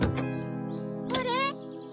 あれ？